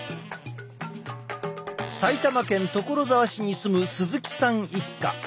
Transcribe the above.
埼玉県所沢市に住む鈴木さん一家。